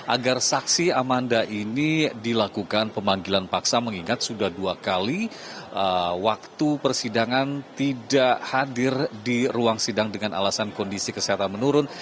agar saksi amanda ini dilakukan pemanggilan paksa mengingat sudah dua kali waktu persidangan tidak hadir di ruang sidang dengan alasan kondisi kesehatan menurun